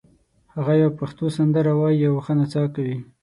هغه یوه پښتو سندره وایي او ښه نڅا کوي